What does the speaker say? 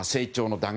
打撃